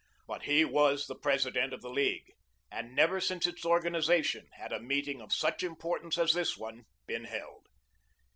But he was the President of the League, and never since its organisation had a meeting of such importance as this one been held.